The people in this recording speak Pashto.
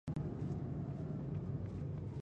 لایحه باید بې طرفه ترتیب شي.